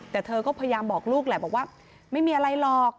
แต่เธอก็พยายามบอกลูกแหละบอกว่าไม่มีอะไรหรอก